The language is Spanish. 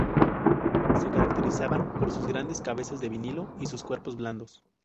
Se caracterizaban por sus grandes cabezas de vinilo y sus cuerpos blandos.